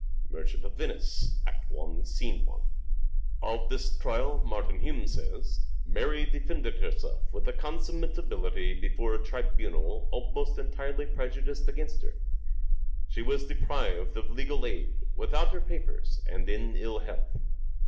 ("Merchant of Venice," Act I, sc. i.) Of this trial Martin Hume says, " Mary defended herself with consummate ability before a tribunal MANHOOD OF DE VERE 359 almost entirely prejudiced against her. She was Mary's deprived of legal aid, without her papers and in ill 9pee health.